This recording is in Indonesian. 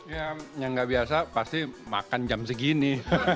ya yang nggak biasa pasti makan jam segini